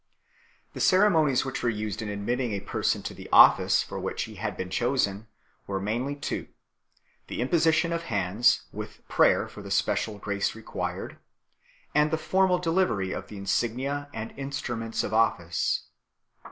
The ceremonies which were used in admitting a person to the office for which he had been chosen were mainly two ; the imposition of hands, with praver for the special grace required ; and the formal delivery of the insignia and instruments of office.